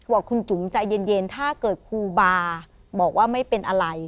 บอกคุณจุ๋มใจเย็นถ้าเกิดครูบาบอกว่าไม่เป็นอะไร